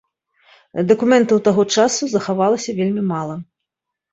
Дакументаў таго часу захавалася вельмі мала.